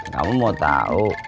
kamu mau tau